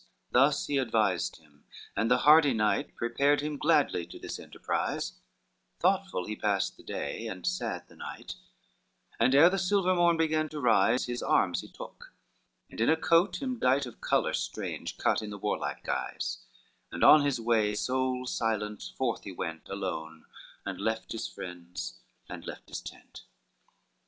XI Thus he advised him, and the hardy knight Prepared him gladly to this enterprise, Thoughtful he passed the day, and sad the night; And ere the silver morn began to rise, His arms he took, and in a coat him dight Of color strange, cut in the warlike guise; And on his way sole, silent, forth he went Alone, and left his friends, and left his tent.